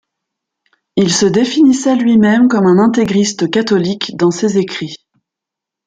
Il se définissait lui-même comme un intégriste catholique dans ses écrits.